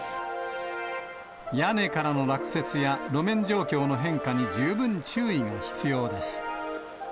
屋根からの落雪や路面状況の変化に十分注意が必要です。